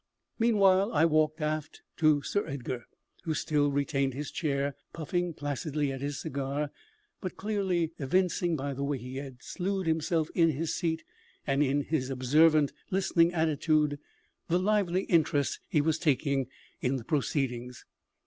Meanwhile, I walked aft to Sir Edgar, who still retained his chair, puffing placidly at his cigar, but clearly evincing, by the way he had slued himself in his seat, and in his observant, listening attitude, the lively interest he was taking in the proceedings.